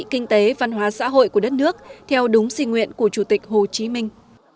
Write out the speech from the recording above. kinh tế văn hóa xã hội của đất nước theo đúng sinh nguyện của chủ tịch hồ chí minh